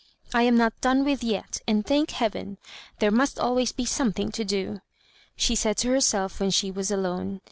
" I am not done with yet, and, thank heaven! there must always be something to do," she said to herself when she was alone.